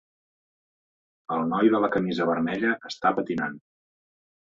El noi de la camisa vermella està patinant